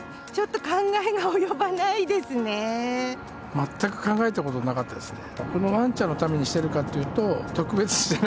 全く考えたことなかったですね。